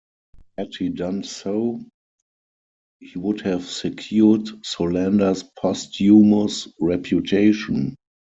Had he done so, he would have secured Solander's posthumous reputation.